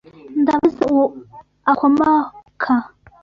Ndabaza uwo akomoka.